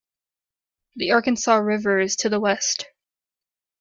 The Arkansas River is to the west.